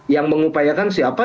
yang mengupayakan siapa